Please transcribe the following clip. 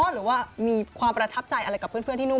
หรือว่ามีความประทับใจอะไรกับเพื่อนที่นู่น